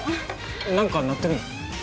何か鳴ってるの？